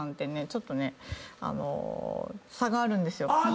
ちょっとね差があるんですよ。